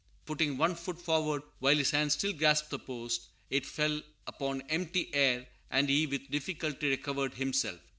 Putting one foot forward while his hand still grasped the post, it fell upon empty air, and he with difficulty recovered himself.